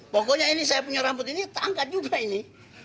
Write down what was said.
pokoknya ini saya punya rambut ini tangkat juga ini